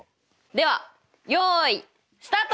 ではよいスタート！